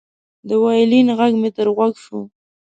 د وایلن غږ مې تر غوږ و